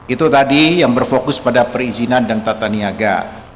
itu tadi yang berfokus pada perizinan dan tata niaga